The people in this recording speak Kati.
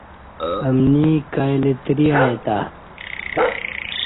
امنی کائی لتری ائی تا۔